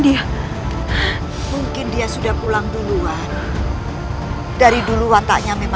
saya akan yrmnya pihakmu wordsaur n rond organization